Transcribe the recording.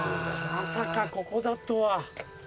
まさかここだとは。